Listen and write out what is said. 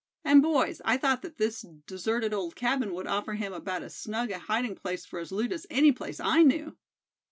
And boys, I thought that this deserted old cabin would offer him about as snug a hiding place for his loot as any place I knew!"